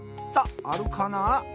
さああるかな？